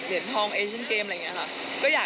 เหรียญทองเอเชียนเกมอะไรอย่างนี้ค่ะ